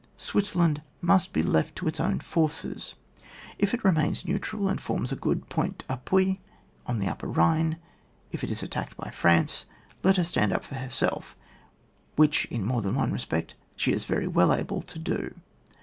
Switzerland must be left to its own forces. If it remains neutral it forms a good point d*appui on the Upper Rhine ; if it is attacked by France, let her stand up for herself, which in more than one respect she is very well able to do.